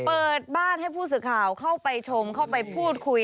เปิดบ้านให้ผู้สื่อข่าวเข้าไปชมเข้าไปพูดคุย